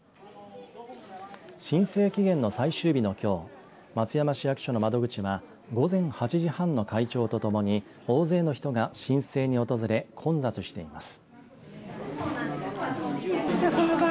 申請期限の最終日のきょう松山市役所の窓口は午前８時半の開庁とともに大勢の人が申請に訪れ混雑しています。